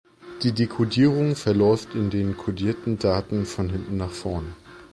Die Dekodierung verläuft in den kodierten Daten von hinten nach vorn.